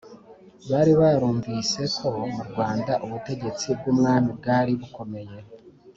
bari barumvise ko mu rwanda ubutegetsi bw'umwami bwari bukomeye,